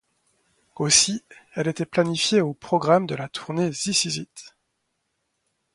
Aussi, elle était planifiée au programme de la tournée This Is It.